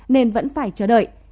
nên vẫn phải chờ đợi